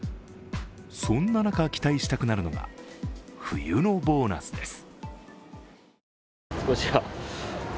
そんな中、期待したくなるのが冬のボーナスです。